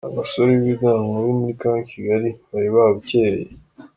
Abasore b'ibigango bo muri Camp Kigali bari babukereye.